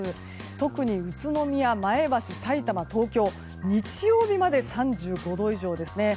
特に宇都宮、前橋さいたま、東京日曜日まで３５度以上ですね。